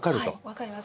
分かります。